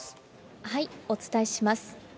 お伝えします。